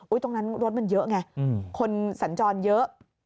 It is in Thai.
ตรงนั้นรถมันเยอะไงคนสัญจรเยอะ